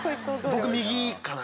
僕右かな。